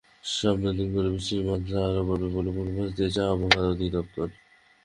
সামনের দিনগুলোতে বৃষ্টির মাত্রা আরও বাড়বে বলে পূর্বাভাস দিয়েছে আবহাওয়া অধিদপ্তর।